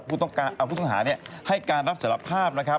ผู้ต้องหาให้การรับสารภาพนะครับ